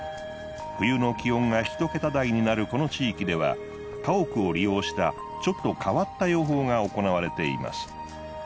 冬の気温が一桁台になるこの地域では家屋を利用したちょっと変わった養蜂が行われています。